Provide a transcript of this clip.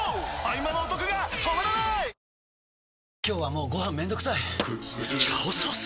今日はもうご飯めんどくさい「炒ソース」！？